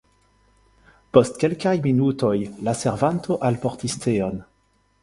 Post kelkaj minutoj la servanto alportis teon.